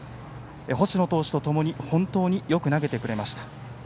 星野投手とともに本当によく投げてくれました。